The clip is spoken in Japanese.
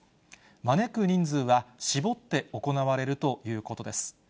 招く人数は絞って行われるということです。